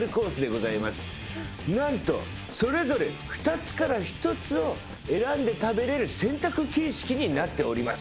何とそれぞれ２つから１つを選んで食べれる選択形式になっております。